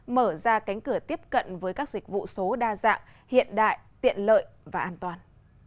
mở ra cánh cửa tiếp cận với các dịch vụ số đa dạng hiện đại tiện lợi và an toàn